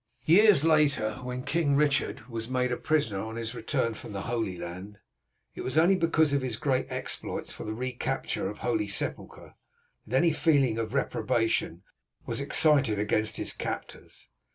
Years later, when King Richard was made a prisoner on his return from the Holy Land, it was only because of his great exploits for the recapture of the Holy Sepulchre that any feeling of reprobation was excited against his captors.